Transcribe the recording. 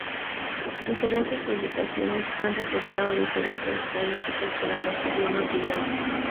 Diferentes publicaciones han reportado diferentes estadísticas para los idiomas de Irán.